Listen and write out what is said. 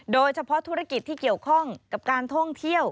โดยเฉพาะธุรกิจที่เกี่ยวข้องกับการท่องเที่ยว